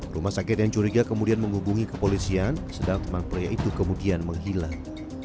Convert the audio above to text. rumah sakit yang curiga kemudian menghubungi kepolisian sedang teman pria itu kemudian menghilang